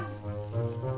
gw mau ke rumah